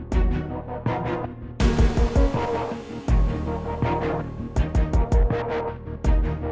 mas dapet aja